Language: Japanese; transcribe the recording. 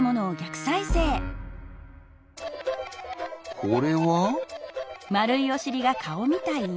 これは？